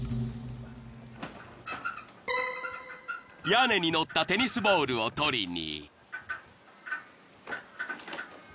［屋根にのったテニスボールを取りに］